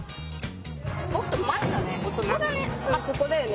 もっと前だね。